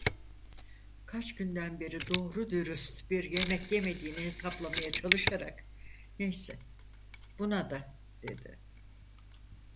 Kaç günden beri doğru dürüst bir yemek yemediğini hesaplamaya çalışarak, "Neyse, buna da" dedi.